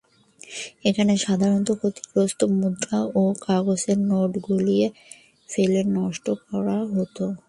এখানে সাধারণত ক্ষতিগ্রস্ত মুদ্রা ও কাগজের নোট গলিয়ে ফেলে নষ্ট করা হত।